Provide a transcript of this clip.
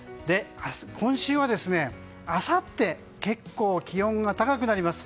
今週はあさって結構気温が高くなります。